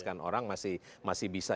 kan orang masih bisa